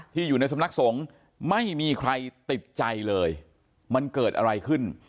อยู่ในสำนักสงฆ์ไม่มีใครติดใจเลยมันเกิดอะไรขึ้น